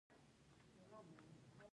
تر څو هغه خپل کاري ځواک په بل وپلوري